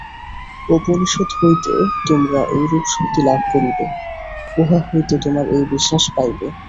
উপনিষদ হইতে তোমরা এইরূপ শক্তি লাভ করিবে, উহা হইতে তোমরা এই বিশ্বাস পাইবে।